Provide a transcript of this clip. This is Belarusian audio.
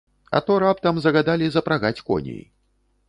А то раптам загадалі запрагаць коней.